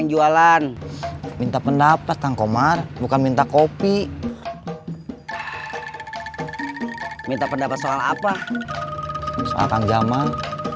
yang jualan minta pendapat tangkomar bukan minta kopi minta pendapat soal apa soal kang jamal